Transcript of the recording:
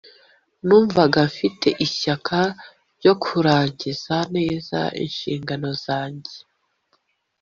numvaga mfite ishyaka ryo kurangiza neza inshingano zange.